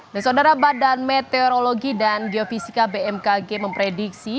lesondara badan meteorologi dan geofisika bmkg memprediksi